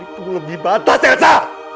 itu lebih batas elsa